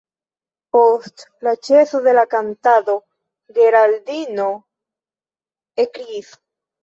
Post la ĉeso de la kantado Geraldino ekkriis: